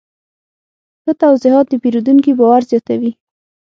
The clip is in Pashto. ښه توضیحات د پیرودونکي باور زیاتوي.